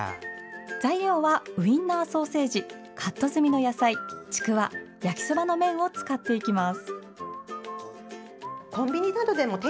材料はウインナーソーセージカット済みの野菜、ちくわ焼きそばの麺を使っていきます。